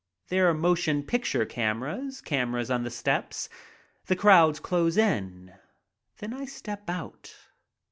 There are motion picture cameras, cameras on the steps. The crowds close in. Then I step out.